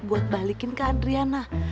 buat balikin ke adriana